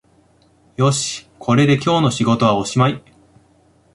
よし、これで今日の仕事はおしまい